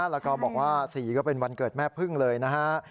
แล้วก็บอกว่า๔ก็เป็นวันเกิดแม่พึ่งเลยนะฮะ